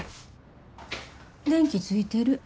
電気ついてる。